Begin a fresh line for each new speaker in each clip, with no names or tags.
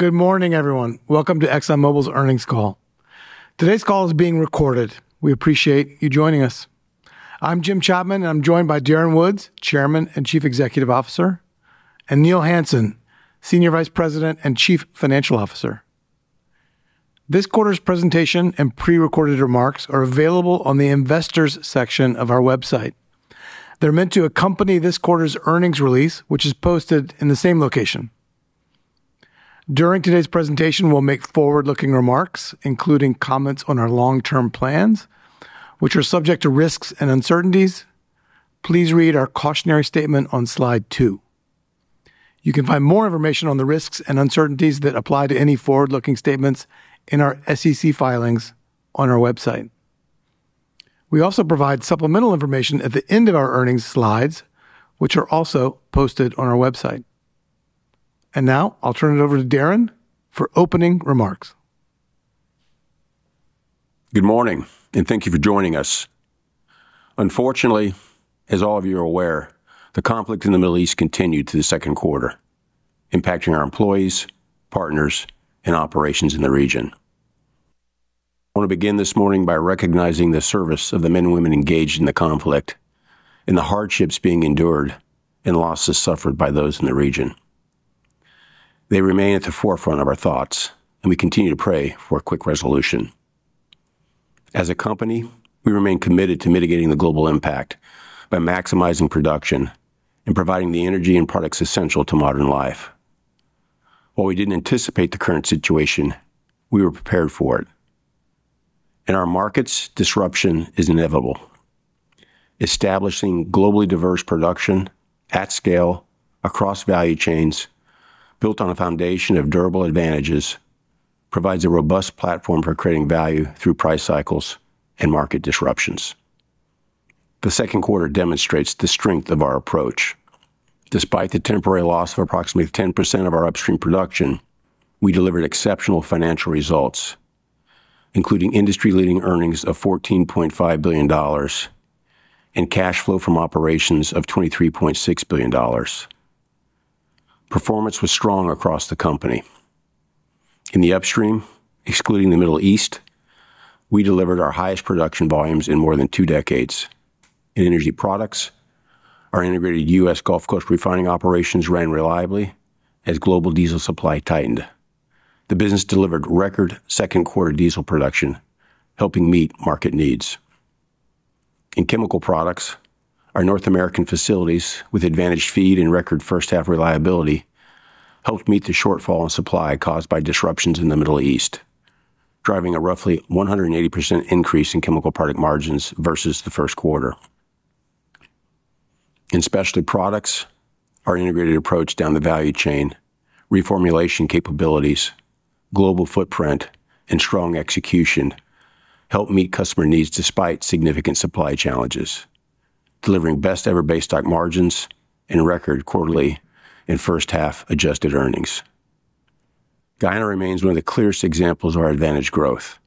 Good morning, everyone. Welcome to ExxonMobil's earnings call. Today's call is being recorded. We appreciate you joining us. I'm Jim Chapman, and I'm joined by Darren Woods, Chairman and Chief Executive Officer, and Neil Hansen, Senior Vice President and Chief Financial Officer. This quarter's presentation and prerecorded remarks are available on the investors section of our website. They're meant to accompany this quarter's earnings release, which is posted in the same location. During today's presentation, we'll make forward-looking remarks, including comments on our long-term plans, which are subject to risks and uncertainties. Please read our cautionary statement on Slide 2. You can find more information on the risks and uncertainties that apply to any forward-looking statements in our SEC filings on our website. We also provide supplemental information at the end of our earnings slides, which are also posted on our website. Now I'll turn it over to Darren for opening remarks.
Good morning, and thank you for joining us. Unfortunately, as all of you are aware, the conflict in the Middle East continued to the second quarter, impacting our employees, partners, and operations in the region. I want to begin this morning by recognizing the service of the men and women engaged in the conflict, and the hardships being endured and losses suffered by those in the region. They remain at the forefront of our thoughts, and we continue to pray for a quick resolution. As a company, we remain committed to mitigating the global impact by maximizing production and providing the energy and products essential to modern life. While we didn't anticipate the current situation, we were prepared for it. In our markets, disruption is inevitable. Establishing globally diverse production at scale across value chains, built on a foundation of durable advantages, provides a robust platform for creating value through price cycles and market disruptions. The second quarter demonstrates the strength of our approach. Despite the temporary loss of approximately 10% of our upstream production, we delivered exceptional financial results, including industry-leading earnings of $14.5 billion and cash flow from operations of $23.6 billion. Performance was strong across the company. In the upstream, excluding the Middle East, we delivered our highest production volumes in more than two decades. In energy products, our integrated U.S. Gulf Coast refining operations ran reliably as global diesel supply tightened. The business delivered record second quarter diesel production, helping meet market needs. In chemical products, our North American facilities with advantaged feed and record first half reliability helped meet the shortfall in supply caused by disruptions in the Middle East, driving a roughly 180% increase in chemical product margins versus the first quarter. In specialty products, our integrated approach down the value chain, reformulation capabilities, global footprint, and strong execution helped meet customer needs despite significant supply challenges, delivering best ever basestock margins and record quarterly and first-half adjusted earnings. Guyana remains one of the clearest examples of our advantaged growth.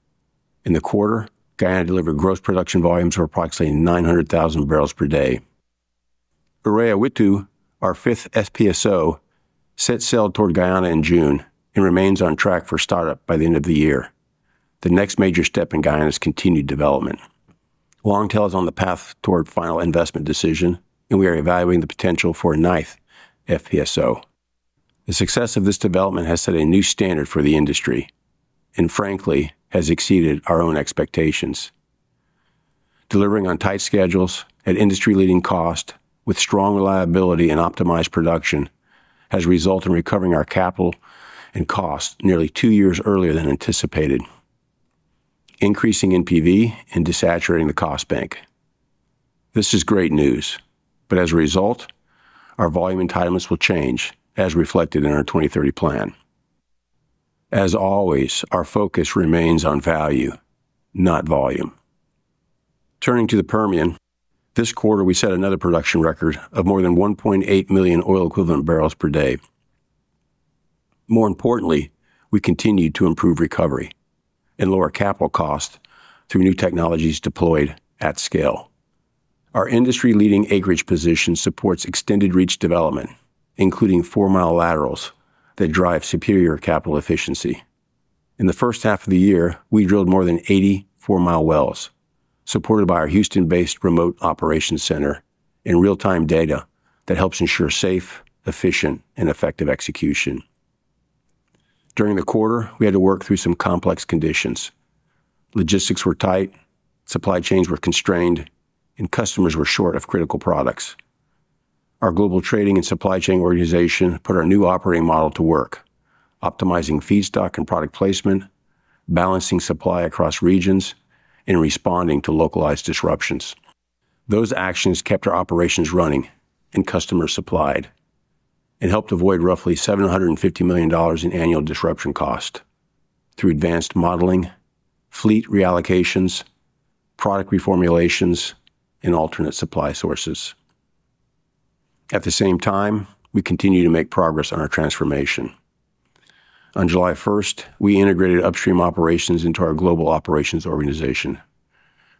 In the quarter, Guyana delivered gross production volumes of approximately 900,000 barrels per day. Errea Wittu, our fifth FPSO, set sail toward Guyana in June and remains on track for startup by the end of the year. The next major step in Guyana's continued development. Longtail is on the path toward final investment decision. We are evaluating the potential for a ninth FPSO. The success of this development has set a new standard for the industry and frankly, has exceeded our own expectations. Delivering on tight schedules at industry-leading cost with strong reliability and optimized production has resulted in recovering our capital and cost nearly two years earlier than anticipated, increasing NPV and desaturating the cost bank. This is great news. As a result, our volume entitlements will change as reflected in our 2030 plan. As always, our focus remains on value, not volume. Turning to the Permian, this quarter, we set another production record of more than 1.8 million oil equivalent barrels per day. More importantly, we continued to improve recovery and lower capital cost through new technologies deployed at scale. Our industry-leading acreage position supports extended reach development, including four-mile laterals that drive superior capital efficiency. In the first half of the year, we drilled more than 80 four-mile wells, supported by our Houston-based remote operations center and real-time data that helps ensure safe, efficient, and effective execution. During the quarter, we had to work through some complex conditions. Logistics were tight, supply chains were constrained, and customers were short of critical products. Our global trading and supply chain organization put our new operating model to work, optimizing feedstock and product placement, balancing supply across regions, and responding to localized disruptions. Those actions kept our operations running and customers supplied and helped avoid roughly $750 million in annual disruption cost through advanced modeling, fleet reallocations, product reformulations, and alternate supply sources. At the same time, we continue to make progress on our transformation. On July 1st, we integrated upstream operations into our global operations organization,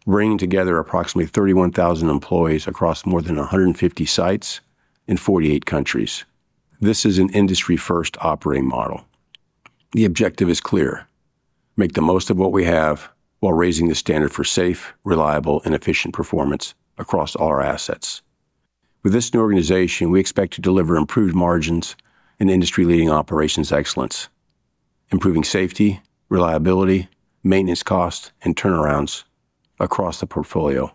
bringing together approximately 31,000 employees across more than 150 sites in 48 countries. This is an industry first operating model. The objective is clear. Make the most of what we have while raising the standard for safe, reliable, and efficient performance across all our assets. With this new organization, we expect to deliver improved margins and industry-leading operations excellence, improving safety, reliability, maintenance cost, and turnarounds across the portfolio.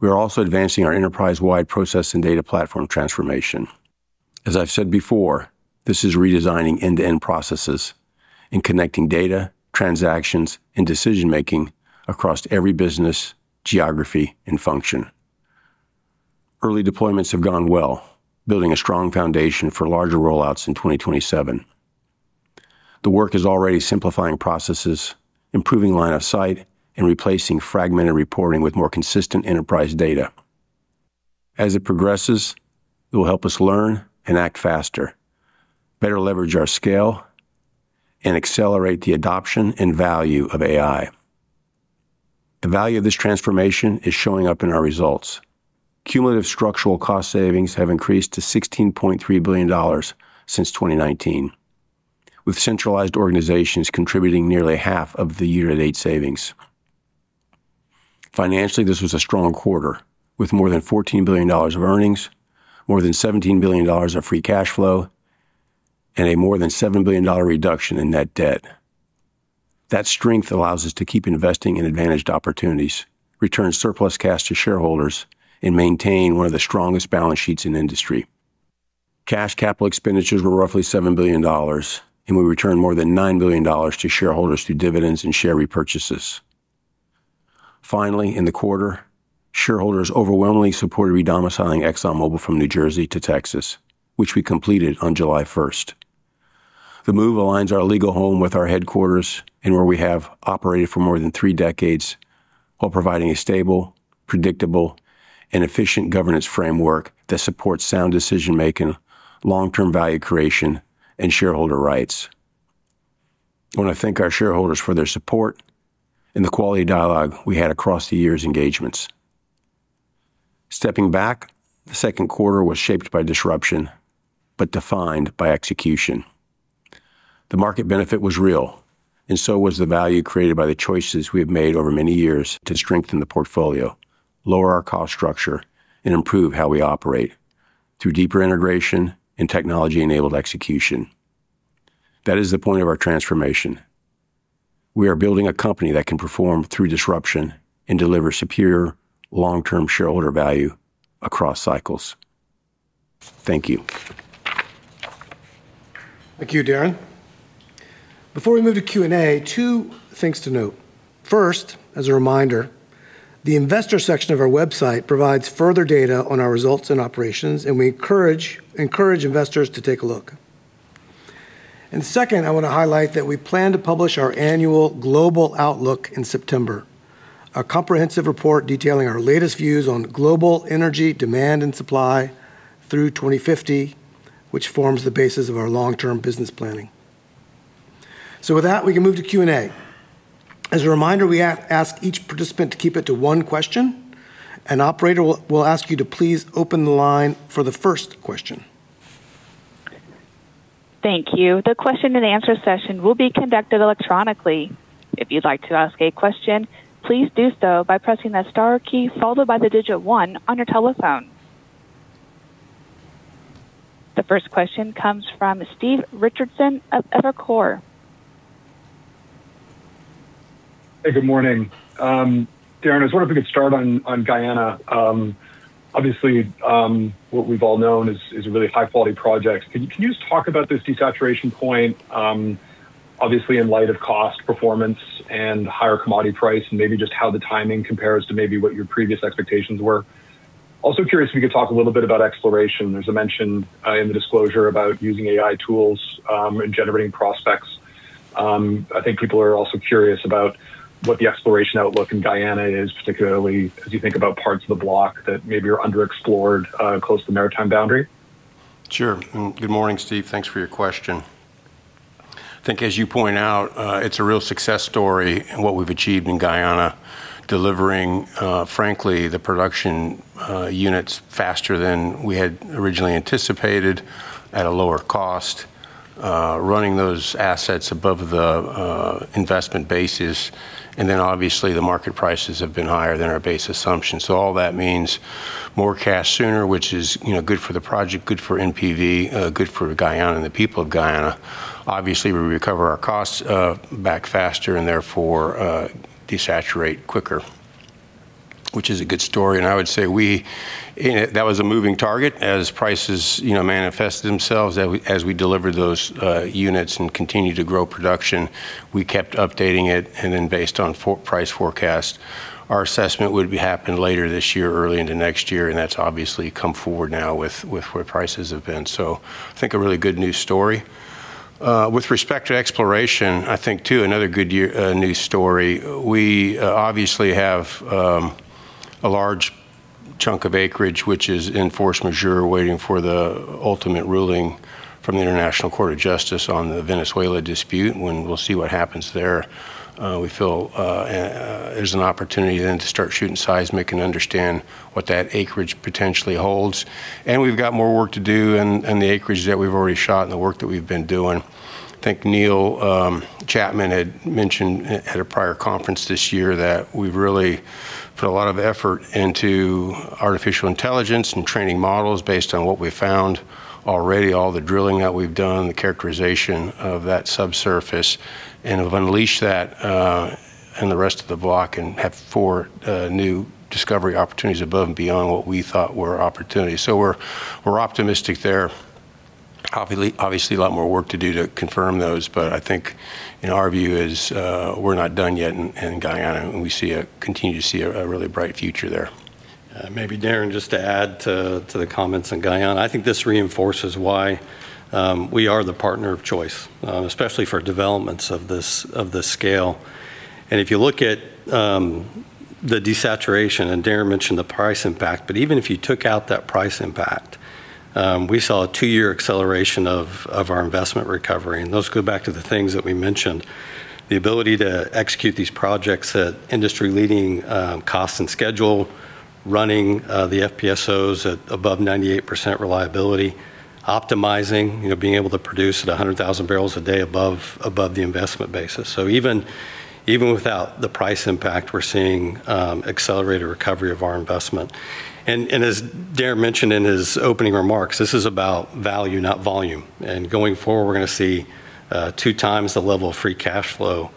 We are also advancing our enterprise-wide process and data platform transformation. As I've said before, this is redesigning end-to-end processes and connecting data, transactions, and decision-making across every business, geography, and function. Early deployments have gone well, building a strong foundation for larger rollouts in 2027. The work is already simplifying processes, improving line of sight, and replacing fragmented reporting with more consistent enterprise data. As it progresses, it will help us learn and act faster, better leverage our scale, and accelerate the adoption and value of AI. The value of this transformation is showing up in our results. Cumulative structural cost savings have increased to $16.3 billion since 2019, with centralized organizations contributing nearly half of the year-to-date savings. Financially, this was a strong quarter, with more than $14 billion of earnings, more than $17 billion of free cash flow, and a more than $7 billion reduction in net debt. That strength allows us to keep investing in advantaged opportunities, return surplus cash to shareholders, and maintain one of the strongest balance sheets in the industry. Cash capital expenditures were roughly $7 billion, and we returned more than $9 billion to shareholders through dividends and share repurchases. In the quarter, shareholders overwhelmingly supported redomiciling ExxonMobil from New Jersey to Texas, which we completed on July 1st. The move aligns our legal home with our headquarters and where we have operated for more than three decades, while providing a stable, predictable, and efficient governance framework that supports sound decision-making, long-term value creation, and shareholder rights. I want to thank our shareholders for their support and the quality dialogue we had across the year's engagements. Stepping back, the second quarter was shaped by disruption, but defined by execution. The market benefit was real, so was the value created by the choices we have made over many years to strengthen the portfolio, lower our cost structure, and improve how we operate, through deeper integration and technology-enabled execution. That is the point of our transformation. We are building a company that can perform through disruption and deliver superior long-term shareholder value across cycles. Thank you.
Thank you, Darren. Before we move to Q&A, two things to note. As a reminder, the investor section of our website provides further data on our results and operations, and we encourage investors to take a look. Second, I want to highlight that we plan to publish our annual global outlook in September, a comprehensive report detailing our latest views on global energy demand and supply through 2050, which forms the basis of our long-term business planning. With that, we can move to Q&A. As a reminder, we ask each participant to keep it to one question, and operator will ask you to please open the line for the first question.
Thank you. The question and answer session will be conducted electronically. If you'd like to ask a question, please do so by pressing the star key followed by the digit one on your telephone. The first question comes from Steve Richardson of Evercore.
Hey, good morning. Darren, I was wondering if we could start on Guyana. Obviously, what we've all known is a really high-quality project. Can you just talk about this desaturation point, obviously in light of cost, performance, and higher commodity price, and maybe just how the timing compares to maybe what your previous expectations were? Also curious if you could talk a little bit about exploration. There's a mention in the disclosure about using AI tools in generating prospects. I think people are also curious about what the exploration outlook in Guyana is, particularly as you think about parts of the block that maybe are underexplored, close to the maritime boundary.
Sure. Good morning, Steve. Thanks for your question. I think as you point out, it's a real success story in what we've achieved in Guyana, delivering, frankly, the production units faster than we had originally anticipated at a lower cost, running those assets above the investment basis. Obviously, the market prices have been higher than our base assumption. All that means more cash sooner, which is good for the project, good for NPV, good for Guyana and the people of Guyana. Obviously, we recover our costs back faster and therefore desaturate quicker, which is a good story. I would say that was a moving target as prices manifested themselves as we delivered those units and continued to grow production. We kept updating it. Based on price forecast, our assessment would happen later this year, early into next year. That's obviously come forward now with where prices have been. I think a really good news story. With respect to exploration, I think too, another good news story. We obviously have a large, chunk of acreage, which is in force majeure, waiting for the ultimate ruling from the International Court of Justice on the Venezuela dispute. When we'll see what happens there, we feel there's an opportunity then to start shooting seismic and understand what that acreage potentially holds. We've got more work to do in the acreage that we've already shot and the work that we've been doing. I think Neil Chapman had mentioned at a prior conference this year that we've really put a lot of effort into artificial intelligence and training models based on what we've found already, all the drilling that we've done, the characterization of that subsurface, and have unleashed that in the rest of the block and have four new discovery opportunities above and beyond what we thought were opportunities. We're optimistic there. Obviously, a lot more work to do to confirm those. I think our view is we're not done yet in Guyana, and we continue to see a really bright future there.
Maybe Darren, just to add to the comments on Guyana, I think this reinforces why we are the partner of choice, especially for developments of this scale. If you look at the desaturation, and Darren mentioned the price impact, but even if you took out that price impact, we saw a two-year acceleration of our investment recovery. Those go back to the things that we mentioned, the ability to execute these projects at industry-leading cost and schedule, running the FPSOs at above 98% reliability, optimizing, being able to produce at 100,000 barrels a day above the investment basis. Even without the price impact, we're seeing accelerated recovery of our investment. As Darren mentioned in his opening remarks, this is about value, not volume. Going forward, we're going to see two times the level of free cash flow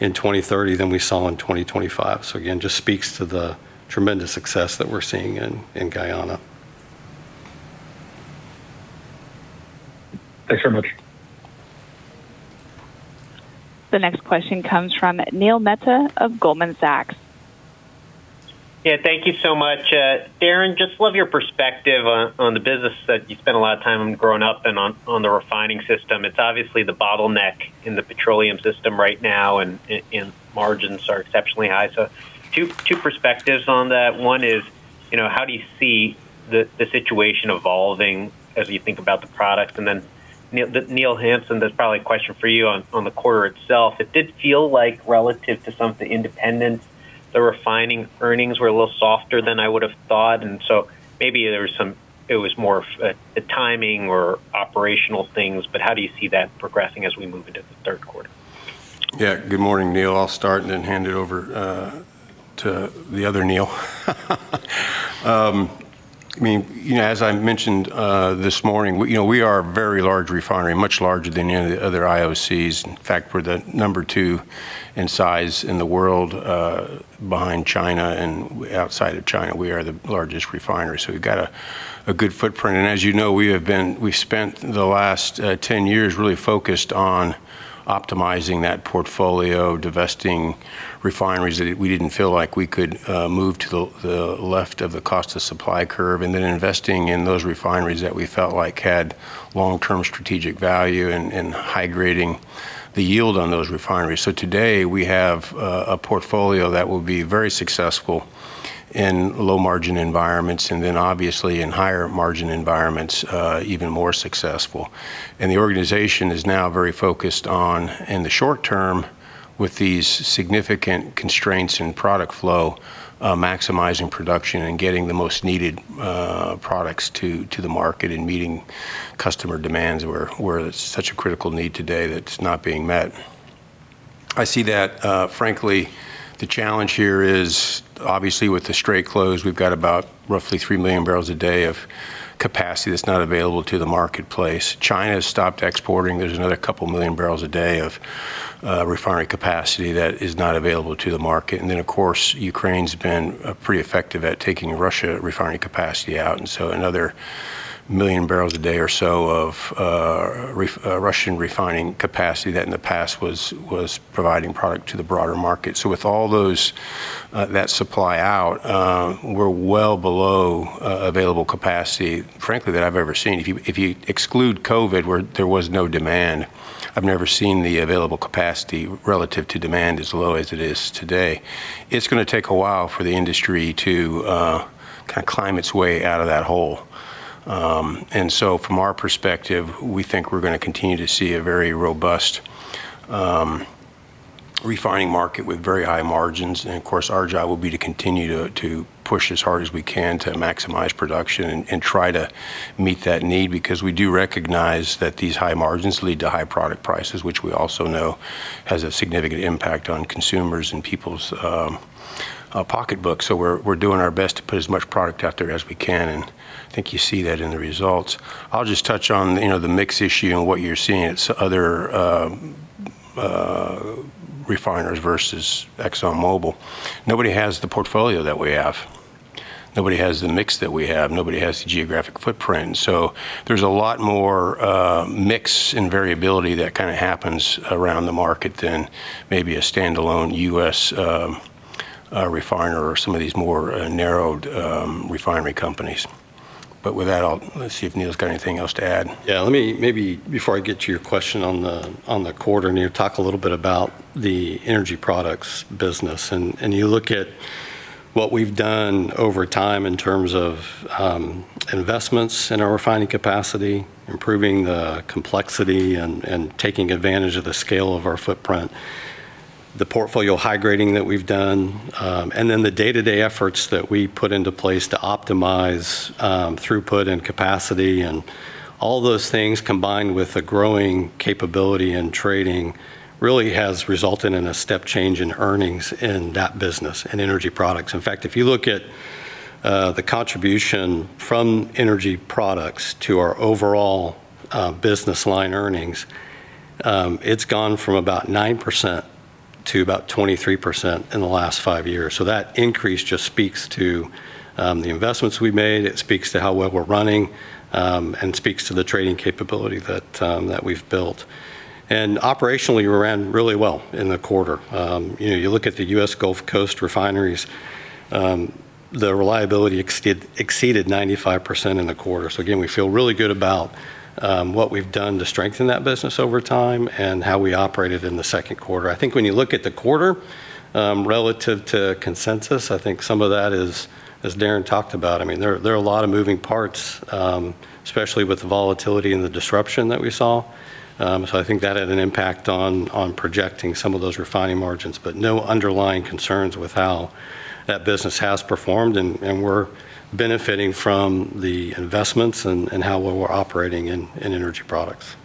in 2030 than we saw in 2025. Again, just speaks to the tremendous success that we're seeing in Guyana.
Thanks very much.
The next question comes from Neil Mehta of Goldman Sachs.
Thank you so much. Darren, just love your perspective on the business that you spent a lot of time growing up and on the refining system. It is obviously the bottleneck in the petroleum system right now, and margins are exceptionally high. Two perspectives on that. One is, how do you see the situation evolving as you think about the product? Then Neil Hansen, this is probably a question for you on the quarter itself. It did feel like relative to some of the independents, the refining earnings were a little softer than I would have thought. Maybe it was more of the timing or operational things, but how do you see that progressing as we move into the third quarter?
Good morning, Neil. I will start and then hand it over to the other Neil. As I mentioned this morning, we are a very large refinery, much larger than any of the other IOCs. In fact, we are the number two in size in the world behind China, and outside of China, we are the largest refinery. We have got a good footprint. As you know, we have spent the last 10 years really focused on optimizing that portfolio, divesting refineries that we did not feel like we could move to the left of the cost of supply curve, and then investing in those refineries that we felt like had long-term strategic value and high grading the yield on those refineries. Today, we have a portfolio that will be very successful in low-margin environments, and then obviously in higher-margin environments even more successful. The organization is now very focused on, in the short term, with these significant constraints in product flow, maximizing production and getting the most needed products to the market and meeting customer demands, where there's such a critical need today that's not being met. I see that, frankly, the challenge here is obviously with the Strait closed, we've got about roughly 3 million barrels a day of capacity that's not available to the marketplace. China has stopped exporting. There's another 2 million barrels a day of refinery capacity that is not available to the market. Of course, Ukraine's been pretty effective at taking Russia refinery capacity out, so another 1 million barrels a day or so of Russian refining capacity that in the past was providing product to the broader market. With all those that supply out, we're well below available capacity, frankly, that I've ever seen. If you exclude COVID, where there was no demand, I've never seen the available capacity relative to demand as low as it is today. It's going to take a while for the industry to kind of climb its way out of that hole. From our perspective, we think we're going to continue to see a very robust refining market with very high margins. Of course, our job will be to continue to push as hard as we can to maximize production and try to meet that need because we do recognize that these high margins lead to high product prices, which we also know has a significant impact on consumers and people's pocketbooks. We're doing our best to put as much product out there as we can, and I think you see that in the results. I'll just touch on the mix issue and what you're seeing at other refiners versus ExxonMobil. Nobody has the portfolio that we have. Nobody has the mix that we have. Nobody has the geographic footprint. There's a lot more mix and variability that kind of happens around the market than maybe a standalone U.S. refiner or some of these more narrowed refinery companies. With that, I'll see if Neil's got anything else to add.
Yeah. Maybe before I get to your question on the quarter, Neil, talk a little bit about the energy products business. You look at what we've done over time in terms of investments in our refining capacity, improving the complexity, and taking advantage of the scale of our footprint, the portfolio high grading that we've done, and then the day-to-day efforts that we put into place to optimize throughput and capacity. All those things, combined with the growing capability in trading, really has resulted in a step change in earnings in that business, in energy products. In fact, if you look at the contribution from energy products to our overall business line earnings, it's gone from about 9% to about 23% in the last five years. That increase just speaks to the investments we've made. It speaks to how well we're running and speaks to the trading capability that we've built. Operationally, we ran really well in the quarter. You look at the U.S. Gulf Coast refineries, the reliability exceeded 95% in the quarter. Again, we feel really good about what we've done to strengthen that business over time and how we operated in the second quarter. I think when you look at the quarter relative to consensus, I think some of that is, as Darren Woods talked about, there are a lot of moving parts, especially with the volatility and the disruption that we saw. I think that had an impact on projecting some of those refining margins, but no underlying concerns with how that business has performed, and we're benefiting from the investments and how well we're operating in energy products.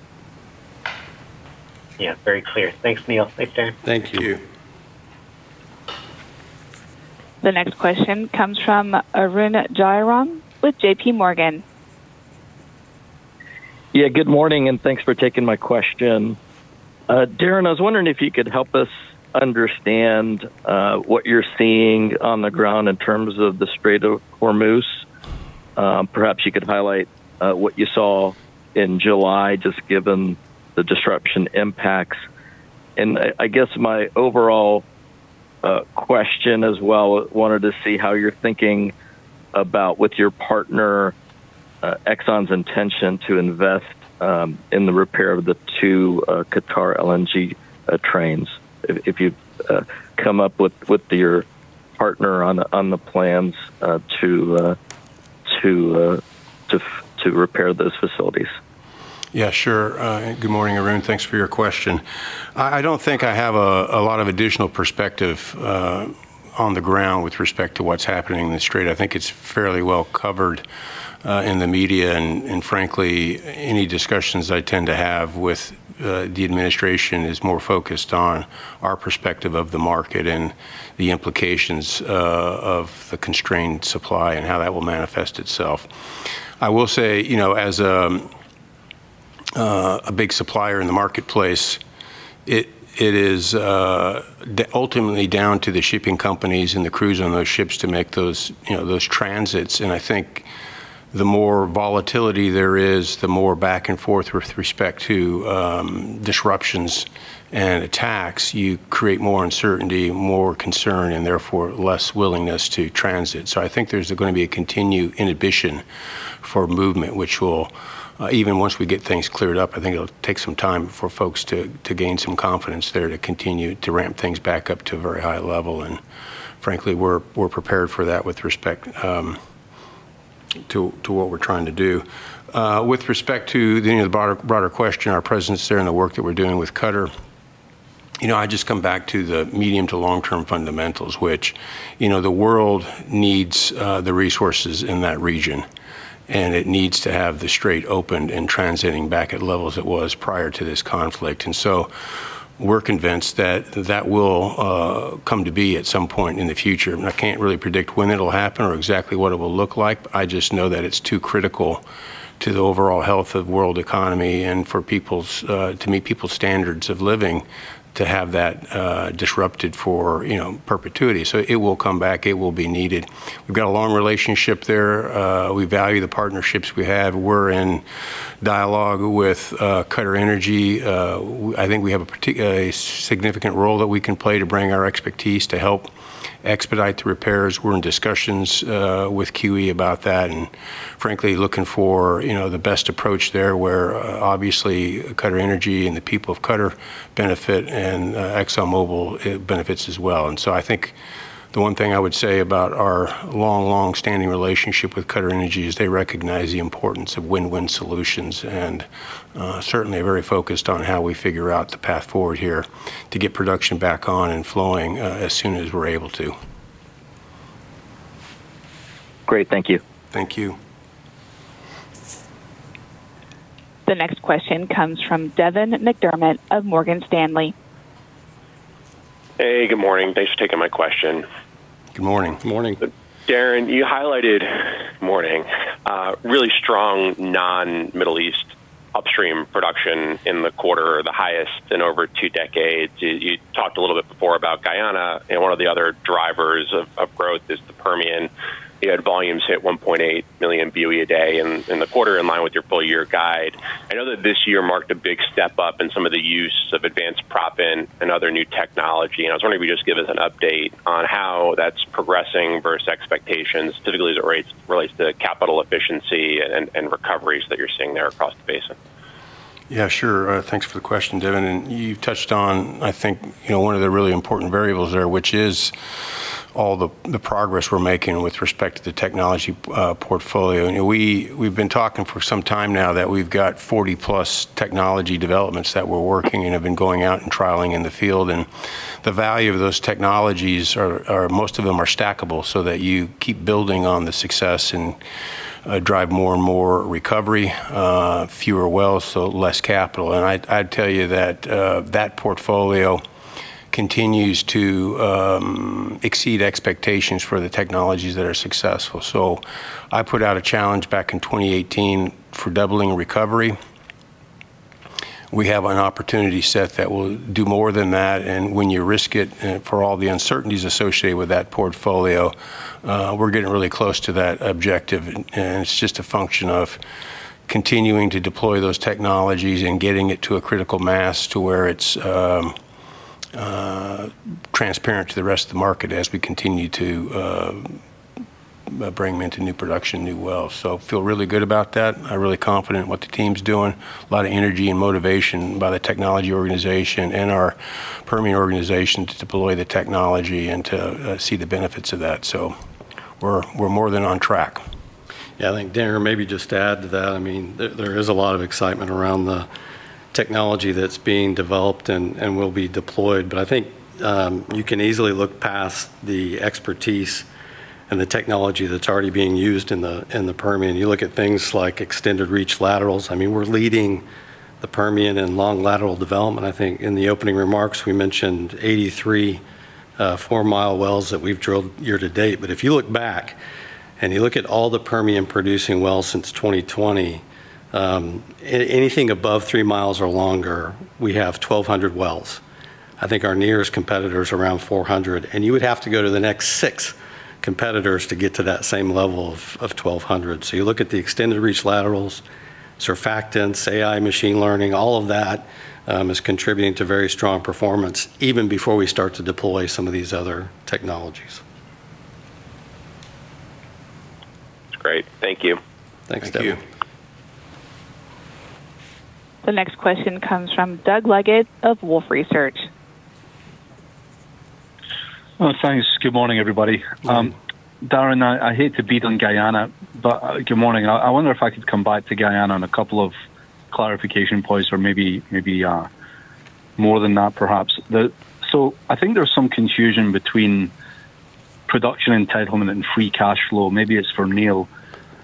Yeah. Very clear. Thanks, Neil. Thanks, Darren.
Thank you.
Thank you.
The next question comes from Arun Jayaram with JPMorgan.
Good morning, thanks for taking my question. Darren, I was wondering if you could help us understand what you're seeing on the ground in terms of the Strait of Hormuz. Perhaps you could highlight what you saw in July, just given the disruption impacts. I guess my overall question as well, wanted to see how you're thinking about with your partner, Exxon's intention to invest in the repair of the two Qatar LNG trains. If you've come up with your partner on the plans to repair those facilities.
Sure. Good morning, Arun. Thanks for your question. I don't think I have a lot of additional perspective on the ground with respect to what's happening in the Strait. I think it's fairly well covered in the media, frankly, any discussions I tend to have with the administration is more focused on our perspective of the market and the implications of the constrained supply and how that will manifest itself. I will say, as a big supplier in the marketplace, it is ultimately down to the shipping companies and the crews on those ships to make those transits. I think the more volatility there is, the more back and forth with respect to disruptions and attacks, you create more uncertainty, more concern, and therefore less willingness to transit. I think there's going to be a continued inhibition for movement, which will, even once we get things cleared up, I think it'll take some time for folks to gain some confidence there to continue to ramp things back up to a very high level. Frankly, we're prepared for that with respect to what we're trying to do. With respect to the broader question, our presence there and the work that we're doing with Qatar, I just come back to the medium to long-term fundamentals, which the world needs the resources in that region, it needs to have the Strait opened and transiting back at levels it was prior to this conflict. We're convinced that will come to be at some point in the future. I can't really predict when it'll happen or exactly what it will look like. I just know that it's too critical to the overall health of world economy and to meet people's standards of living to have that disrupted for perpetuity. It will come back. It will be needed. We've got a long relationship there. We value the partnerships we have. We're in dialogue with QatarEnergy. I think we have a significant role that we can play to bring our expertise to help expedite the repairs. We're in discussions with QE about that and frankly, looking for the best approach there where obviously QatarEnergy and the people of Qatar benefit and ExxonMobil benefits as well. I think the one thing I would say about our long, longstanding relationship with QatarEnergy is they recognize the importance of win-win solutions and certainly very focused on how we figure out the path forward here to get production back on and flowing as soon as we're able to.
Great. Thank you.
Thank you.
The next question comes from Devin McDermott of Morgan Stanley.
Hey, good morning. Thanks for taking my question.
Good morning.
Good morning.
Darren, you highlighted, good morning, really strong non-Middle East upstream production in the quarter, the highest in over two decades. You talked a little bit before about Guyana and one of the other drivers of growth is the Permian. You had volumes hit 1.8 million BOE a day in the quarter in line with your full-year guide. I know that this year marked a big step up in some of the use of advanced proppant and other new technology, and I was wondering if you could just give us an update on how that's progressing versus expectations, typically as it relates to capital efficiency and recoveries that you're seeing there across the basin.
Yeah, sure. Thanks for the question, Devin. You've touched on, I think, one of the really important variables there, which is all the progress we're making with respect to the technology portfolio. We've been talking for some time now that we've got 40+ technology developments that we're working and have been going out and trialing in the field. The value of those technologies are, most of them are stackable so that you keep building on the success and drive more and more recovery, fewer wells, so less capital. I'd tell you that that portfolio continues to exceed expectations for the technologies that are successful. I put out a challenge back in 2018 for doubling recovery. We have an opportunity set that will do more than that, and when you risk it for all the uncertainties associated with that portfolio, we're getting really close to that objective, and it's just a function of continuing to deploy those technologies and getting it to a critical mass to where it's transparent to the rest of the market as we continue to bring into new production, new wells. Feel really good about that. I'm really confident in what the team's doing. A lot of energy and motivation by the technology organization and our Permian organization to deploy the technology and to see the benefits of that. We're more than on track.
Yeah, I think, Devin, or maybe just add to that, there is a lot of excitement around the technology that's being developed and will be deployed. I think you can easily look past the expertise and the technology that's already being used in the Permian. You look at things like extended reach laterals. We're leading the Permian in long lateral development. I think in the opening remarks, we mentioned 83 four-mile wells that we've drilled year to date. If you look back and you look at all the Permian producing wells since 2020, anything above three miles or longer, we have 1,200 wells. I think our nearest competitor is around 400 wells. You would have to go to the next six competitors to get to that same level of 1,200 wells. You look at the extended reach laterals, surfactants, AI machine learning, all of that is contributing to very strong performance even before we start to deploy some of these other technologies.
That's great. Thank you.
Thanks, Devin.
Thank you.
The next question comes from Doug Leggate of Wolfe Research.
Well, thanks. Good morning, everybody.
Morning.
Darren, I hate to beat on Guyana, but good morning. I wonder if I could come back to Guyana on a couple of clarification points or maybe more than that, perhaps. I think there's some confusion between production entitlement and free cash flow. Maybe it's for Neil.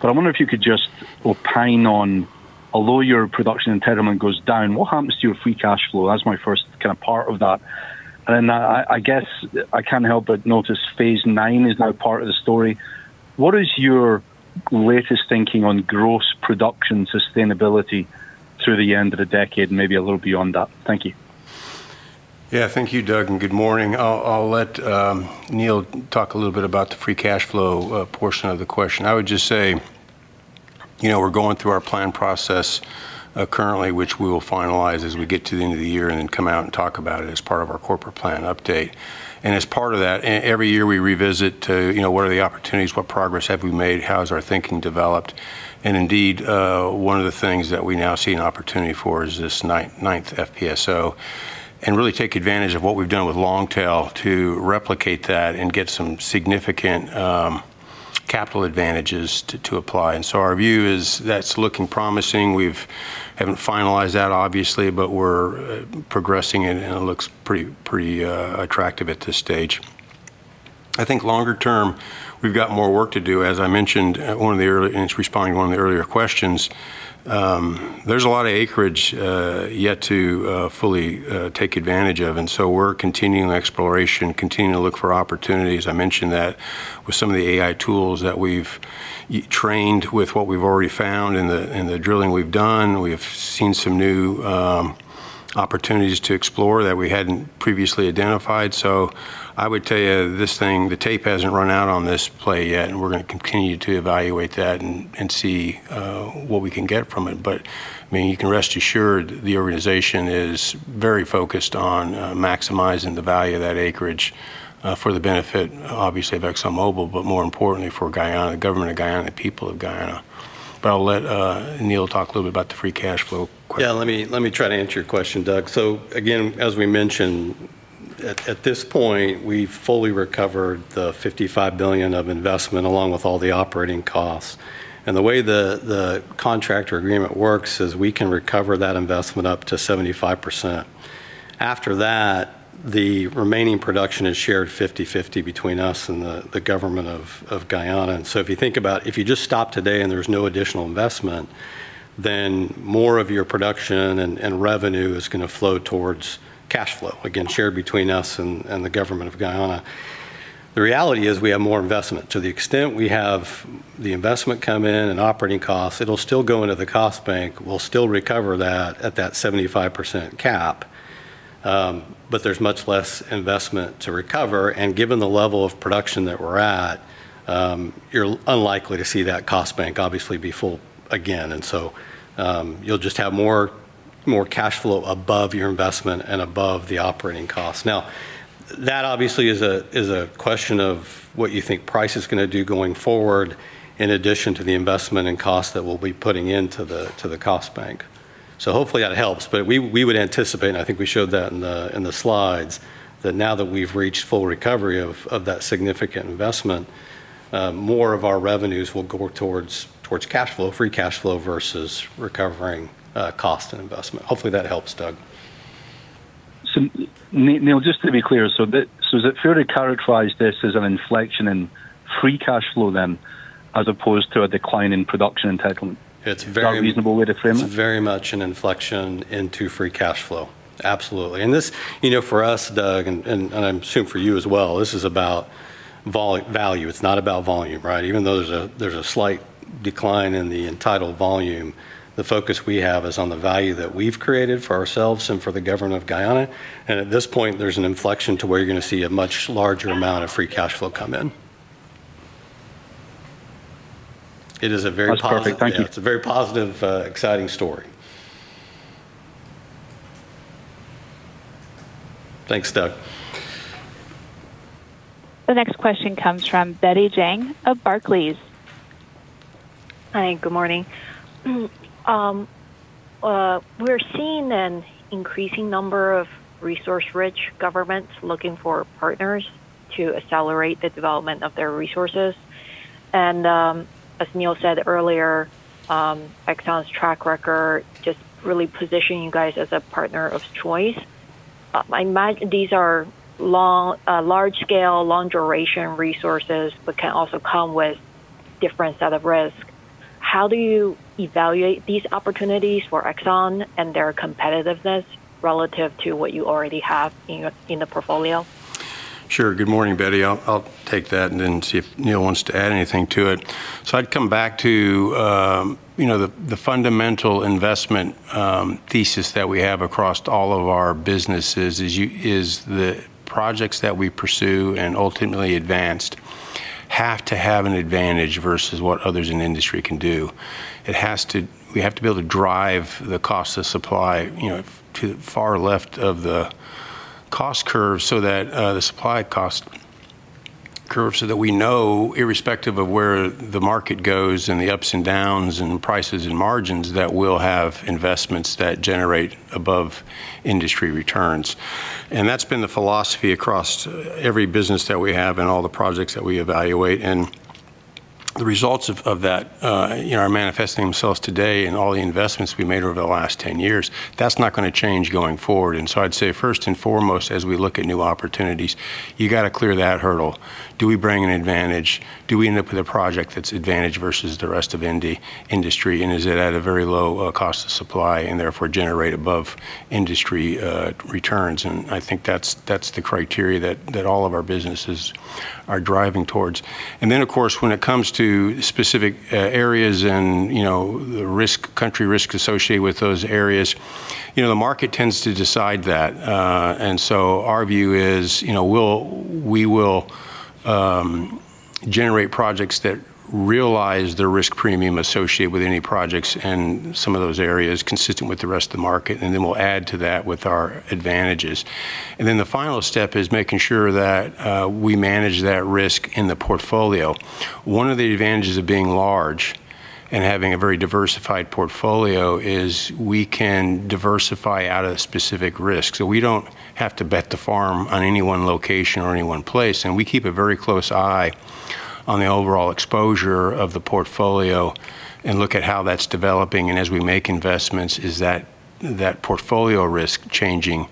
I wonder if you could just opine on, although your production entitlement goes down, what happens to your free cash flow? That's my first part of that. I guess I can't help but notice Phase nine is now part of the story. What is your latest thinking on gross production sustainability through the end of the decade and maybe a little beyond that? Thank you.
Thank you, Doug, and good morning. I'll let Neil talk a little bit about the free cash flow portion of the question. I would just say, we're going through our plan process currently, which we will finalize as we get to the end of the year and then come out and talk about it as part of our corporate plan update. As part of that, every year we revisit to what are the opportunities, what progress have we made, how has our thinking developed. Indeed, one of the things that we now see an opportunity for is this ninth FPSO, and really take advantage of what we've done with Longtail to replicate that and get some significant capital advantages to apply. Our view is that's looking promising. We haven't finalized that obviously, but we're progressing it, and it looks pretty attractive at this stage. I think longer term, we've got more work to do. As I mentioned in responding to one of the earlier questions, there's a lot of acreage yet to fully take advantage of, we're continuing the exploration, continuing to look for opportunities. I mentioned that with some of the AI tools that we've trained with what we've already found in the drilling we've done, we've seen some new opportunities to explore that we hadn't previously identified. I would tell you the tape hasn't run out on this play yet, and we're going to continue to evaluate that and see what we can get from it. You can rest assured the organization is very focused on maximizing the value of that acreage for the benefit, obviously, of ExxonMobil, but more importantly for Guyana, government of Guyana, people of Guyana. I'll let Neil talk a little bit about the free cash flow quickly.
Let me try to answer your question, Doug. Again, as we mentioned, at this point, we've fully recovered the $55 billion of investment along with all the operating costs. The way the contractor agreement works is we can recover that investment up to 75%. After that, the remaining production is shared 50/50 between us and the Government of Guyana. If you think about if you just stop today and there's no additional investment, then more of your production and revenue is going to flow towards cash flow, again, shared between us and the government of Guyana. The reality is we have more investment. To the extent we have the investment come in and operating costs, it'll still go into the cost bank. We'll still recover that at that 75% cap. There's much less investment to recover. Given the level of production that we're at, you're unlikely to see that cost bank obviously be full again. You'll just have more cash flow above your investment and above the operating cost. That obviously is a question of what you think price is going to do going forward in addition to the investment and cost that we'll be putting into the cost bank. Hopefully that helps. We would anticipate, and I think we showed that in the slides, that now that we've reached full recovery of that significant investment, more of our revenues will go towards free cash flow versus recovering cost and investment. Hopefully that helps, Doug.
Neil, just to be clear, is it fair to characterize this as an inflection in free cash flow then, as opposed to a decline in production entitlement? Is that a reasonable way to frame it?
It's very much an inflection into free cash flow. Absolutely. This for us, Doug, and I assume for you as well, this is about value. It's not about volume, right? Even though there's a slight decline in the entitled volume, the focus we have is on the value that we've created for ourselves and for the government of Guyana. At this point, there's an inflection to where you're going to see a much larger amount of free cash flow come in.
That's perfect. Thank you.
It's a very positive, exciting story. Thanks, Doug.
The next question comes from Betty Jiang of Barclays.
Hi, good morning. We're seeing an increasing number of resource-rich governments looking for partners to accelerate the development of their resources. As Neil said earlier, Exxon's track record just really position you guys as a partner of choice. These are large scale, long duration resources, but can also come with different set of risk. How do you evaluate these opportunities for Exxon and their competitiveness relative to what you already have in the portfolio?
Sure. Good morning, Betty. I'll take that and then see if Neil wants to add anything to it. I'd come back to the fundamental investment thesis that we have across all of our businesses is the projects that we pursue and ultimately advanced have to have an advantage versus what others in the industry can do. We have to be able to drive the cost of supply, to the far left of the supply cost curve so that we know irrespective of where the market goes and the ups and downs and prices and margins, that we'll have investments that generate above-industry returns. That's been the philosophy across every business that we have and all the projects that we evaluate. The results of that are manifesting themselves today in all the investments we made over the last 10 years. That's not going to change going forward. I'd say first and foremost, as we look at new opportunities, you got to clear that hurdle. Do we bring an advantage? Do we end up with a project that's advantage versus the rest of industry and is it at a very low cost of supply and therefore generate above industry returns? I think that's the criteria that all of our businesses are driving towards. Of course, when it comes to specific areas and the country risk associated with those areas, the market tends to decide that. Our view is we will generate projects that realize the risk premium associated with any projects in some of those areas consistent with the rest of the market, then we'll add to that with our advantages. The final step is making sure that we manage that risk in the portfolio. One of the advantages of being large and having a very diversified portfolio is we can diversify out of specific risks. We don't have to bet the farm on any one location or any one place, and we keep a very close eye on the overall exposure of the portfolio and look at how that's developing. As we make investments, is that portfolio risk changing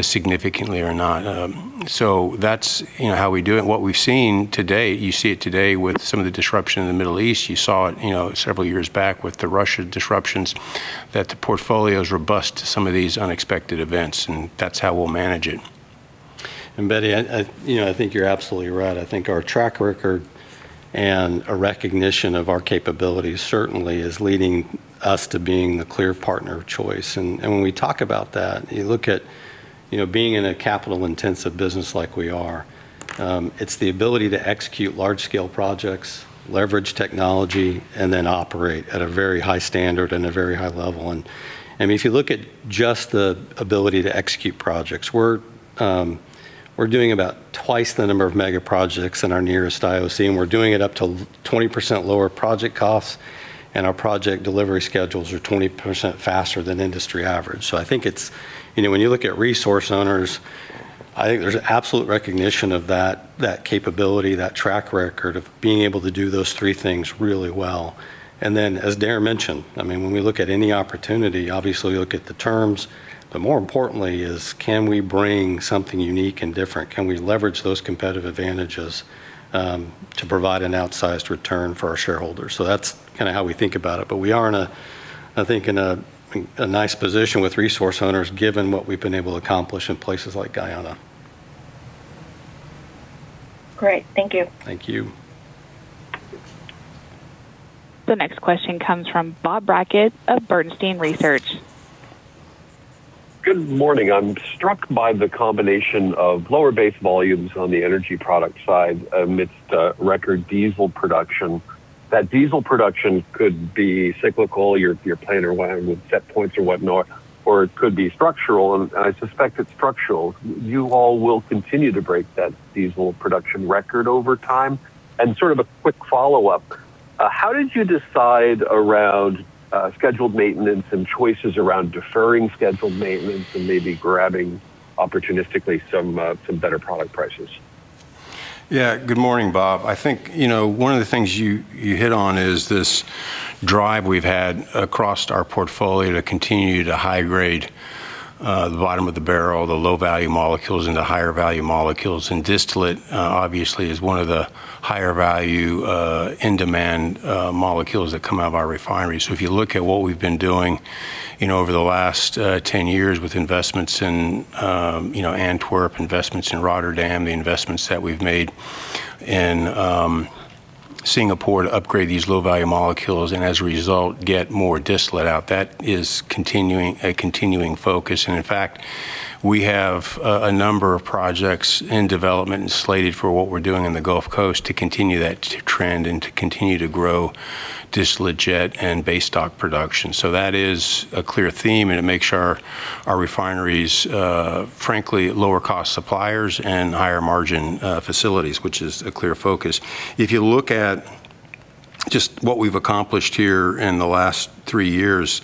significantly or not? That's how we do it. What we've seen today, you see it today with some of the disruption in the Middle East. You saw it several years back with the Russia disruptions, that the portfolio is robust to some of these unexpected events, and that's how we'll manage it.
Betty, I think you're absolutely right. I think our track record and a recognition of our capabilities certainly is leading us to being the clear partner of choice. When we talk about that, you look at being in a capital-intensive business like we are, it's the ability to execute large scale projects, leverage technology, then operate at a very high standard and a very high level. If you look at just the ability to execute projects, we're doing about twice the number of mega projects in our nearest IOC, and we're doing it up to 20% lower project costs, and our project delivery schedules are 20% faster than industry average. I think when you look at resource owners, I think there's absolute recognition of that capability, that track record of being able to do those three things really well. As Darren mentioned, when we look at any opportunity, obviously you look at the terms, but more importantly is can we bring something unique and different? Can we leverage those competitive advantages to provide an outsized return for our shareholders? That's how we think about it. We are in a, I think, in a nice position with resource owners, given what we've been able to accomplish in places like Guyana.
Great. Thank you.
Thank you.
The next question comes from Bob Brackett of Bernstein Research.
Good morning. I'm struck by the combination of lower base volumes on the energy product side amidst record diesel production. That diesel production could be cyclical, your plan around with set points or whatnot. It could be structural, and I suspect it's structural. You all will continue to break that diesel production record over time. Sort of a quick follow-up, how did you decide around scheduled maintenance and choices around deferring scheduled maintenance and maybe grabbing, opportunistically, some better product prices?
Good morning, Bob. I think, one of the things you hit on is this drive we've had across our portfolio to continue to high grade the bottom of the barrel, the low-value molecules into higher value molecules. Distillate, obviously, is one of the higher value, in-demand molecules that come out of our refineries. If you look at what we've been doing over the last 10 years with investments in Antwerp, investments in Rotterdam, the investments that we've made in Singapore to upgrade these low-value molecules, and as a result, get more distillate out, that is a continuing focus. In fact, we have a number of projects in development and slated for what we're doing in the Gulf Coast to continue that trend and to continue to grow distillate, jet, and base stock production. That is a clear theme, and it makes our refineries, frankly, lower cost suppliers and higher margin facilities, which is a clear focus. If you look at just what we've accomplished here in the last three years,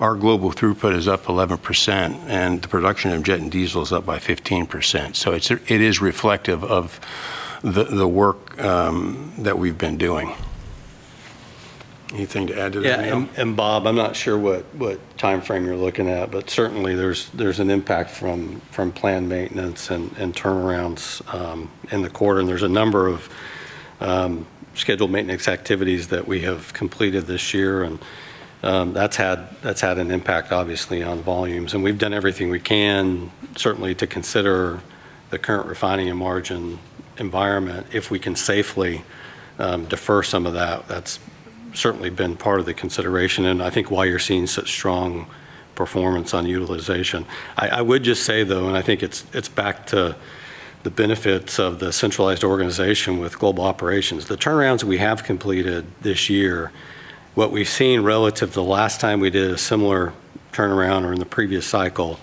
our global throughput is up 11%, and the production of jet and diesel is up by 15%. It is reflective of the work that we've been doing. Anything to add to that, Neil?
Bob, I'm not sure what timeframe you're looking at, but certainly there's an impact from planned maintenance and turnarounds in the quarter. There's a number of scheduled maintenance activities that we have completed this year, and that's had an impact, obviously, on volumes. We've done everything we can, certainly, to consider the current refining and margin environment. If we can safely defer some of that's certainly been part of the consideration, and I think why you're seeing such strong performance on utilization. I would just say, though, and I think it's back to the benefits of the centralized organization with global operations. The turnarounds we have completed this year, what we've seen relative to the last time we did a similar turnaround or in the previous cycle,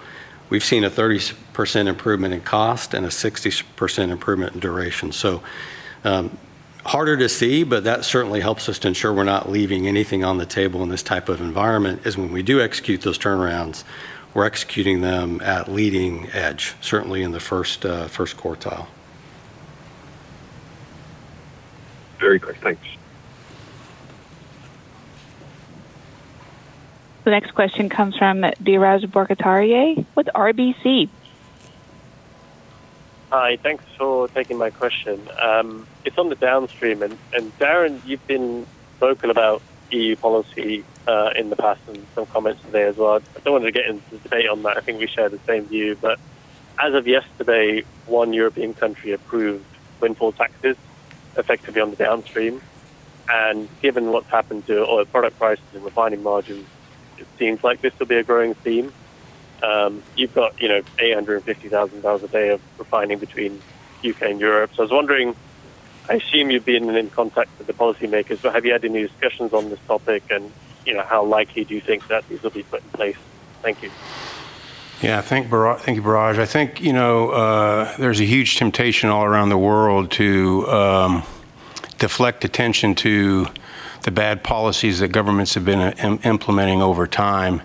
we've seen a 30% improvement in cost and a 60% improvement in duration. Harder to see, but that certainly helps us to ensure we're not leaving anything on the table in this type of environment, is when we do execute those turnarounds, we're executing them at leading edge, certainly in the first quartile.
Very clear. Thanks.
The next question comes from Biraj Borkhataria with RBC.
Hi. Thanks for taking my question. It's on the downstream. Darren, you've been vocal about EU policy in the past and some comments today as well. I don't want to get into the debate on that. I think we share the same view. As of yesterday, one European country approved windfall taxes effectively on the downstream. Given what's happened to oil product prices and refining margins, it seems like this will be a growing theme. You've got 850,000 barrels a day of refining between U.K. and Europe. I was wondering, I assume you've been in contact with the policymakers, but have you had any discussions on this topic? How likely do you think that these will be put in place? Thank you.
Yeah. Thank you, Biraj. I think there's a huge temptation all around the world to deflect attention to the bad policies that governments have been implementing over time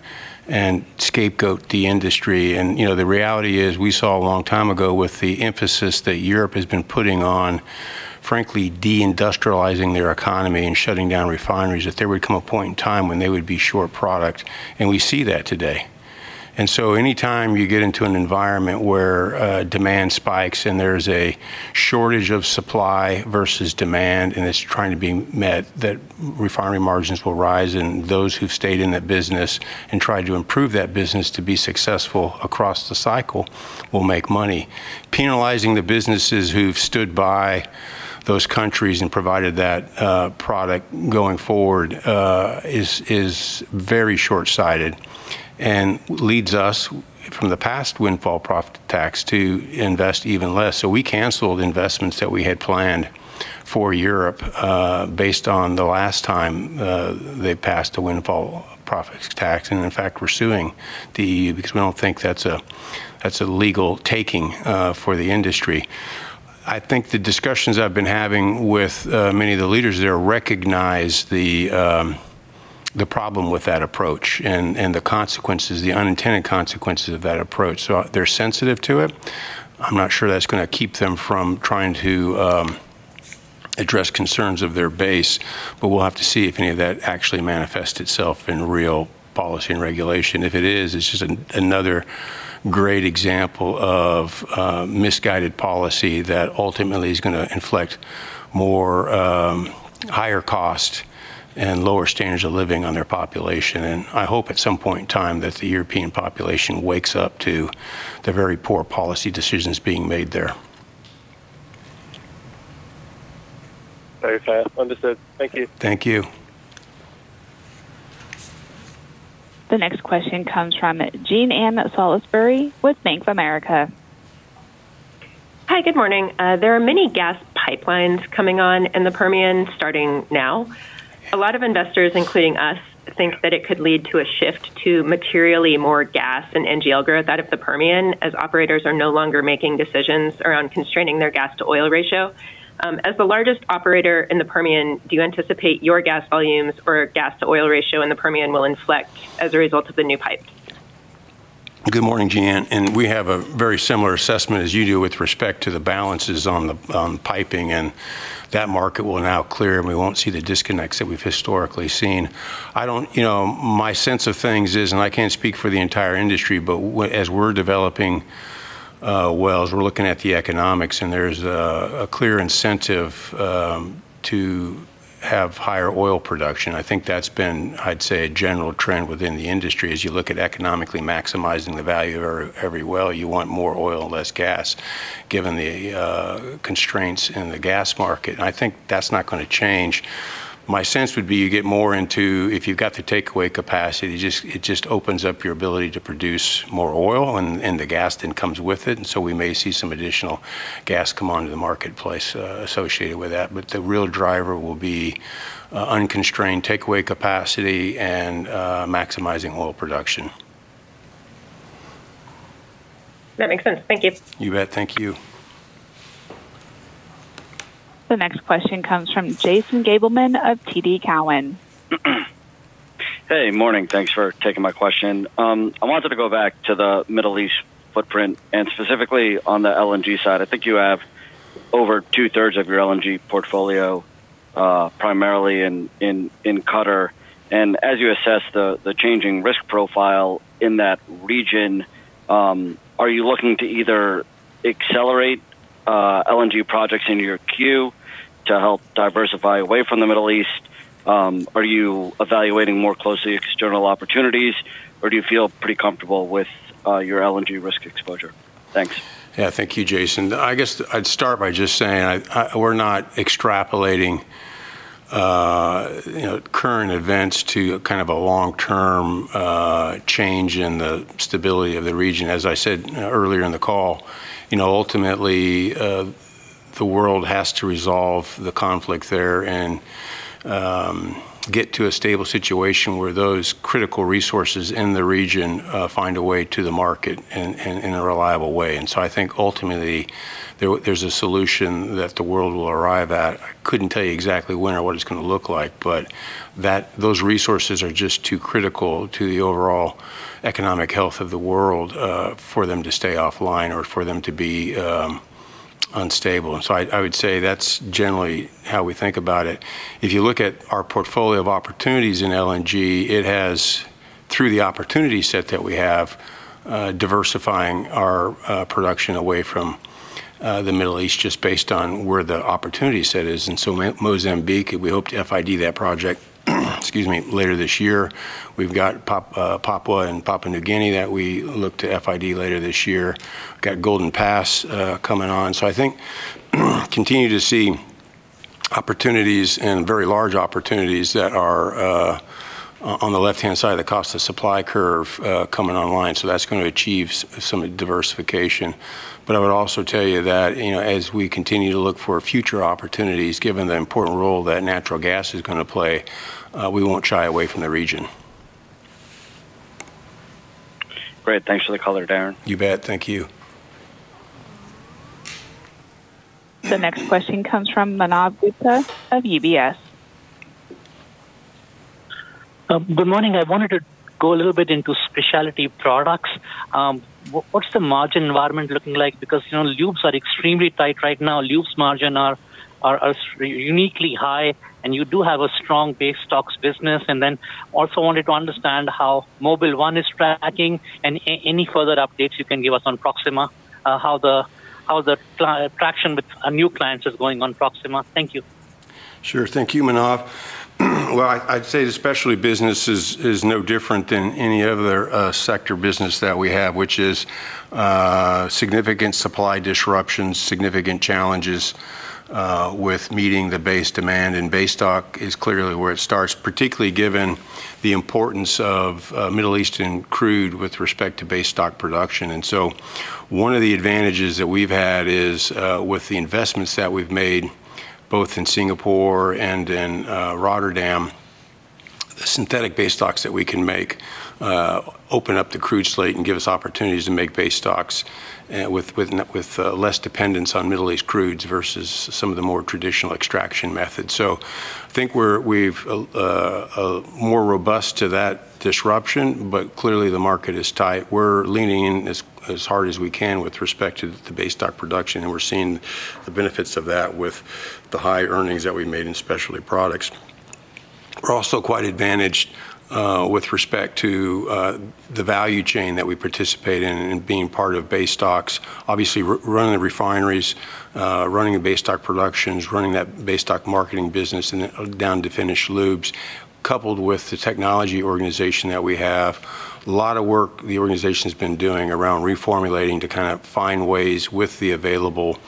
and scapegoat the industry. The reality is, we saw a long time ago with the emphasis that Europe has been putting on, frankly, deindustrializing their economy and shutting down refineries, that there would come a point in time when they would be short product, and we see that today. Any time you get into an environment where demand spikes and there's a shortage of supply versus demand, and it's trying to be met, that refinery margins will rise, and those who've stayed in that business and tried to improve that business to be successful across the cycle will make money. Penalizing the businesses who've stood by those countries and provided that product going forward is very shortsighted and leads us from the past windfall profit tax to invest even less. We canceled investments that we had planned for Europe based on the last time they passed a windfall profits tax. In fact, we're suing the EU because we don't think that's a legal taking for the industry. I think the discussions I've been having with many of the leaders there recognize the problem with that approach and the consequences, the unintended consequences of that approach. They're sensitive to it. I'm not sure that's going to keep them from trying to address concerns of their base, but we'll have to see if any of that actually manifests itself in real policy and regulation. If it is, it's just another great example of misguided policy that ultimately is going to inflict more higher cost and lower standards of living on their population. I hope at some point in time that the European population wakes up to the very poor policy decisions being made there.
Very fair. Understood. Thank you.
Thank you.
The next question comes from Jean Ann Salisbury with Bank of America.
Hi, good morning. There are many gas pipelines coming on in the Permian starting now. A lot of investors, including us, think that it could lead to a shift to materially more gas and NGL growth out of the Permian, as operators are no longer making decisions around constraining their gas-to-oil ratio. As the largest operator in the Permian, do you anticipate your gas volumes or gas-to-oil ratio in the Permian will inflect as a result of the new pipes?
Good morning, Jean. We have a very similar assessment as you do with respect to the balances on the piping. That market will now clear. We won't see the disconnects that we've historically seen. My sense of things is. I can't speak for the entire industry. As we're developing wells, we're looking at the economics. There's a clear incentive to have higher oil production. I think that's been a general trend within the industry. As you look at economically maximizing the value of every well, you want more oil and less gas, given the constraints in the gas market. I think that's not going to change. My sense would be you get more into if you've got the takeaway capacity, it just opens up your ability to produce more oil and the gas then comes with it. We may see some additional gas come onto the marketplace associated with that. The real driver will be unconstrained takeaway capacity and maximizing oil production.
That makes sense. Thank you.
You bet. Thank you.
The next question comes from Jason Gabelman of TD Cowen.
Hey. Morning. Thanks for taking my question. I wanted to go back to the Middle East footprint. Specifically on the LNG side. I think you have over 2/3 of your LNG portfolio primarily in Qatar. As you assess the changing risk profile in that region, are you looking to either accelerate LNG projects into your queue to help diversify away from the Middle East? Are you evaluating more closely external opportunities, or do you feel pretty comfortable with your LNG risk exposure? Thanks.
Thank you, Jason. I guess I'd start by just saying, we're not extrapolating current events to a long-term change in the stability of the region. As I said earlier in the call, ultimately, the world has to resolve the conflict there and get to a stable situation where those critical resources in the region find a way to the market in a reliable way. I think ultimately, there's a solution that the world will arrive at. I couldn't tell you exactly when or what it's going to look like, but those resources are just too critical to the overall economic health of the world for them to stay offline or for them to be unstable. I would say that's generally how we think about it. If you look at our portfolio of opportunities in LNG, it has, through the opportunity set that we have, diversifying our production away from the Middle East just based on where the opportunity set is. Mozambique, we hope to FID that project later this year. We've got Papua and Papua New Guinea that we look to FID later this year. We've got Golden Pass coming on. I think continue to see opportunities and very large opportunities that are on the left-hand side of the cost of supply curve coming online. That's going to achieve some diversification. I would also tell you that as we continue to look for future opportunities, given the important role that natural gas is going to play, we won't shy away from the region.
Great. Thanks for the color, Darren.
You bet. Thank you.
The next question comes from Manav Gupta of UBS.
Good morning. I wanted to go a little bit into specialty products. What's the margin environment looking like? Lubes are extremely tight right now. Lubes margin are uniquely high, and you do have a strong base stocks business. Also wanted to understand how Mobil 1 is tracking and any further updates you can give us on Proxxima, how the traction with new clients is going on Proxxima. Thank you.
Sure. Thank you, Manav. Well, I'd say the specialty business is no different than any other sector business that we have, which is significant supply disruptions, significant challenges with meeting the base demand. Base stock is clearly where it starts, particularly given the importance of Middle Eastern crude with respect to base stock production. One of the advantages that we've had is with the investments that we've made both in Singapore and in Rotterdam, the synthetic base stocks that we can make open up the crude slate and give us opportunities to make base stocks with less dependence on Middle East crudes versus some of the more traditional extraction methods. I think we're more robust to that disruption, clearly the market is tight. We're leaning in as hard as we can with respect to the base stock production, and we're seeing the benefits of that with the high earnings that we've made in specialty products. We're also quite advantaged with respect to the value chain that we participate in being part of base stocks, obviously running the refineries, running the base stock productions, running that base stock marketing business, and down to finished lubes, coupled with the technology organization that we have. A lot of work the organization's been doing around reformulating to find ways with the available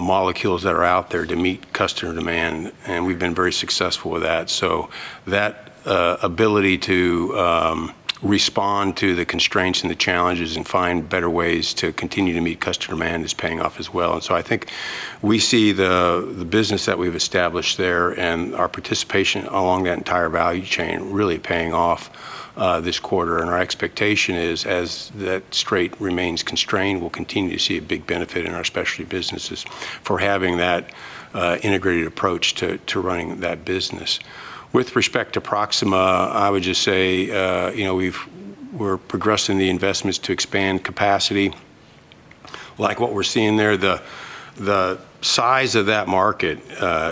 molecules that are out there to meet customer demand, and we've been very successful with that. That ability to respond to the constraints and the challenges and find better ways to continue to meet customer demand is paying off as well. I think we see the business that we've established there and our participation along that entire value chain really paying off this quarter. Our expectation is as that strait remains constrained, we'll continue to see a big benefit in our specialty businesses for having that integrated approach to running that business. With respect to Proxxima, I would just say we're progressing the investments to expand capacity. Like what we're seeing there, the size of that market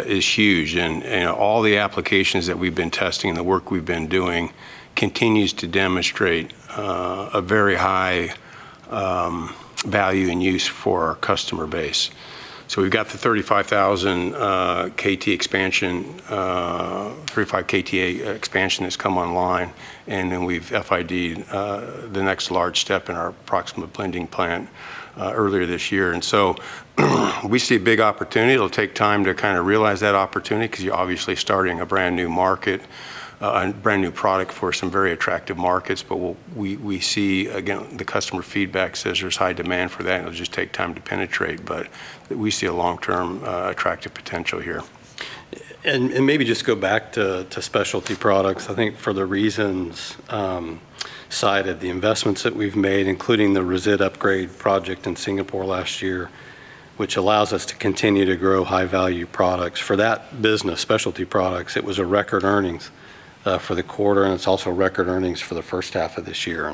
is huge and all the applications that we've been testing and the work we've been doing continues to demonstrate a very high value and use for our customer base. We've got the 35 KT expansion that's come online, and then we've FID the next large step in our Proxxima blending plant earlier this year. We see a big opportunity. It'll take time to realize that opportunity because you're obviously starting a brand new product for some very attractive markets. We see, again, the customer feedback says there's high demand for that, and it'll just take time to penetrate. We see a long-term attractive potential here.
Maybe just go back to specialty products. I think for the reasons cited, the investments that we've made, including the Resid Upgrade Project in Singapore last year, which allows us to continue to grow high-value products. For that business, specialty products, it was a record earnings for the quarter, and it's also record earnings for the first half of this year.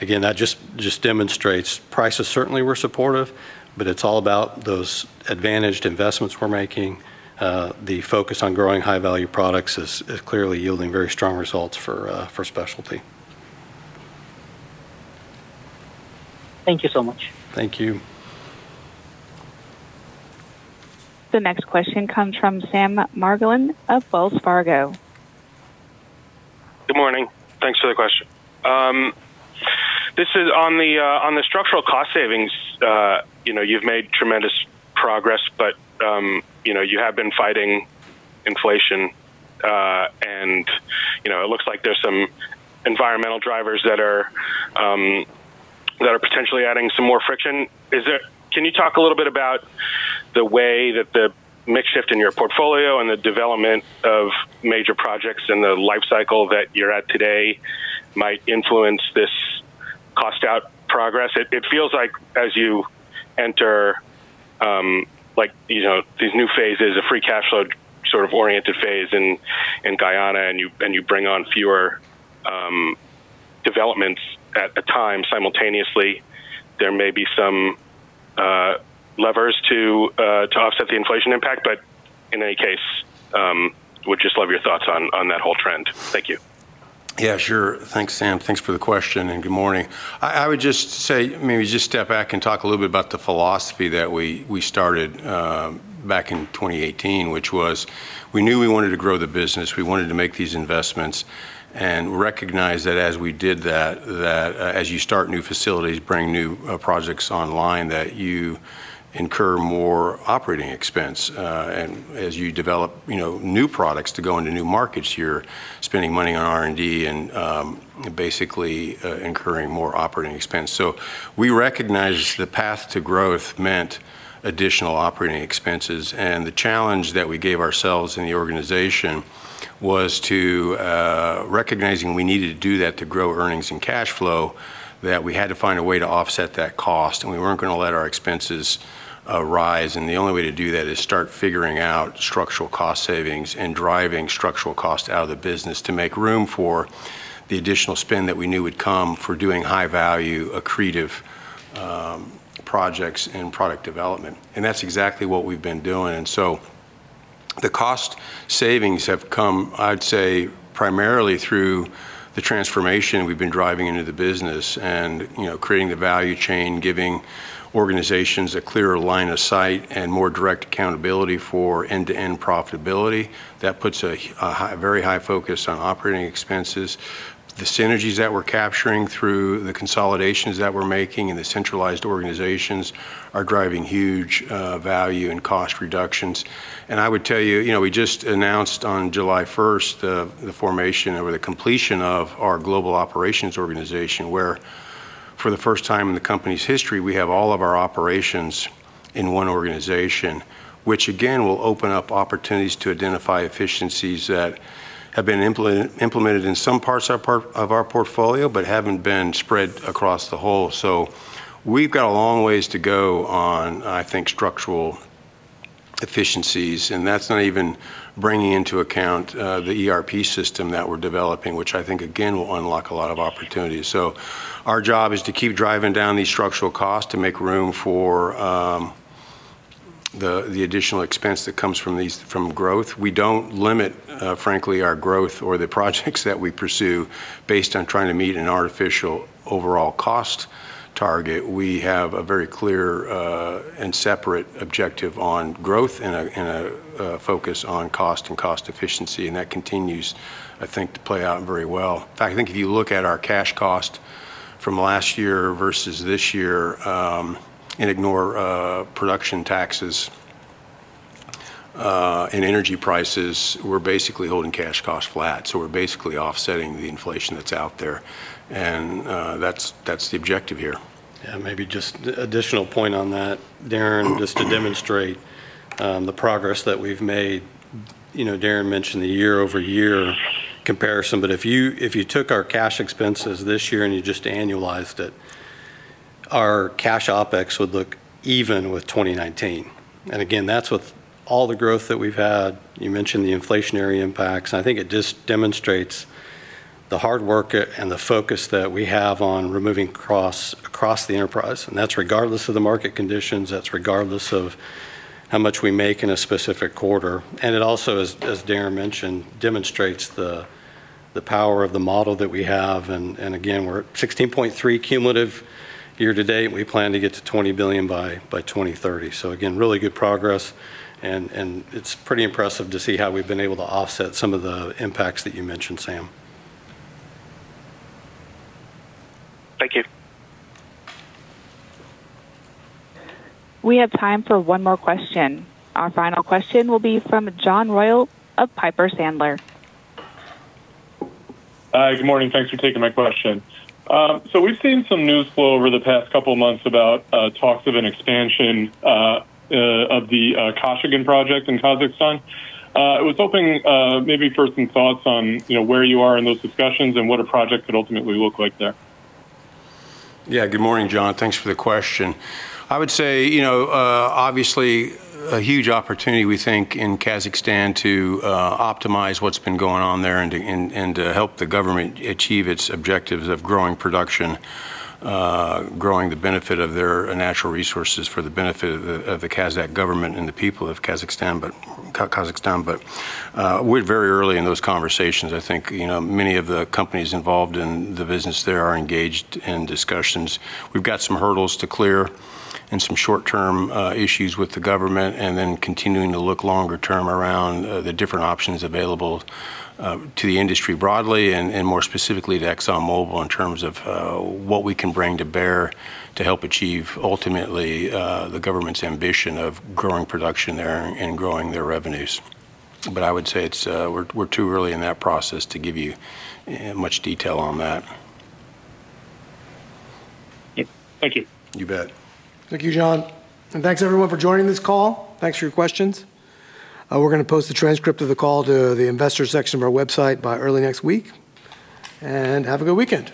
Again, that just demonstrates prices certainly were supportive, it's all about those advantaged investments we're making. The focus on growing high-value products is clearly yielding very strong results for specialty.
Thank you so much.
Thank you.
The next question comes from Sam Margolin of Wells Fargo.
Good morning. Thanks for the question. On the structural cost savings, you've made tremendous progress, but you have been fighting inflation. It looks like there's some environmental drivers that are potentially adding some more friction. Can you talk a little bit about the way that the mix shift in your portfolio and the development of major projects and the life cycle that you're at today might influence this cost out progress? It feels like as you enter these new phases, a free cash flow sort of oriented phase in Guyana. You bring on fewer developments at a time simultaneously, there may be some levers to offset the inflation impact, but in any case, would just love your thoughts on that whole trend. Thank you.
Yeah, sure. Thanks, Sam. Thanks for the question and good morning. I would just say, maybe just step back and talk a little bit about the philosophy that we started back in 2018, which was we knew we wanted to grow the business, we wanted to make these investments, recognized that as we did that, as you start new facilities, bring new projects online, that you incur more operating expense. As you develop new products to go into new markets, you're spending money on R&D and basically incurring more operating expense. We recognized the path to growth meant additional operating expenses. The challenge that we gave ourselves in the organization was to recognizing we needed to do that to grow earnings and cash flow, that we had to find a way to offset that cost, and we weren't going to let our expenses rise. The only way to do that is start figuring out structural cost savings and driving structural cost out of the business to make room for the additional spend that we knew would come for doing high-value, accretive projects and product development. That's exactly what we've been doing. The cost savings have come, I'd say, primarily through the transformation we've been driving into the business and creating the value chain, giving organizations a clearer line of sight and more direct accountability for end-to-end profitability. That puts a very high focus on operating expenses. The synergies that we're capturing through the consolidations that we're making and the centralized organizations are driving huge value and cost reductions. I would tell you, we just announced on July 1st the formation or the completion of our global operations organization, where for the first time in the company's history, we have all of our operations in one organization, which again will open up opportunities to identify efficiencies that have been implemented in some parts of our portfolio but haven't been spread across the whole. We've got a long ways to go on, I think, structural efficiencies, and that's not even bringing into account the ERP system that we're developing, which I think again will unlock a lot of opportunities. Our job is to keep driving down these structural costs to make room for the additional expense that comes from growth. We don't limit, frankly, our growth or the projects that we pursue based on trying to meet an artificial overall cost target. We have a very clear and separate objective on growth and a focus on cost and cost efficiency, that continues, I think, to play out very well. In fact, I think if you look at our cash cost from last year versus this year and ignore production taxes in energy prices, we're basically holding cash cost flat. We're basically offsetting the inflation that's out there, and that's the objective here.
Maybe just additional point on that, Darren, just to demonstrate the progress that we've made. Darren mentioned the year-over-year comparison, but if you took our cash expenses this year and you just annualized it, our Cash Opex would look even with 2019. Again, that's with all the growth that we've had. I think it just demonstrates the hard work and the focus that we have on removing costs across the enterprise, and that's regardless of the market conditions. That's regardless of how much we make in a specific quarter. It also, as Darren mentioned, demonstrates the power of the model that we have, again, we're at $16.3 billion cumulative year to date. We plan to get to $20 billion by 2030. Again, really good progress, and it's pretty impressive to see how we've been able to offset some of the impacts that you mentioned, Sam.
Thank you.
We have time for one more question. Our final question will be from John Royall of Piper Sandler.
Hi. Good morning. Thanks for taking my question. We've seen some news flow over the past couple of months about talks of an expansion of the Kashagan project in Kazakhstan. I was hoping maybe for some thoughts on where you are in those discussions and what a project could ultimately look like there.
Yeah. Good morning, John. Thanks for the question. I would say, obviously, a huge opportunity, we think, in Kazakhstan to optimize what's been going on there and to help the government achieve its objectives of growing production, growing the benefit of their natural resources for the benefit of the Kazakh government and the people of Kazakhstan. We're very early in those conversations. I think, many of the companies involved in the business there are engaged in discussions. We've got some hurdles to clear and some short-term issues with the government, and then continuing to look longer term around the different options available to the industry broadly and more specifically to ExxonMobil in terms of what we can bring to bear to help achieve, ultimately, the government's ambition of growing production there and growing their revenues. I would say we're too early in that process to give you much detail on that.
Yep. Thank you.
You bet.
Thank you, John. Thanks, everyone, for joining this call. Thanks for your questions. We're gonna post the transcript of the call to the Investors section of our website by early next week. Have a good weekend.